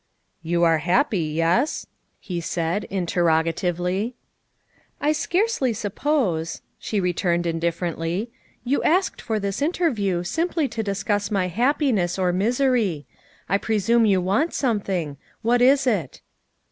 ' You are happy, yes?" he said interrogatively. ' I scarcely suppose," she returned indifferently, " you asked for this interview simply to discuss my happiness or misery. I presume you want something; what is it?"